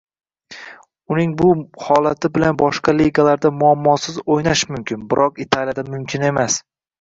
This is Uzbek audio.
Uning bu holati bilan boshqa ligalarda muammosiz o‘ynash mumkin, biroq Italiyada mumkin emas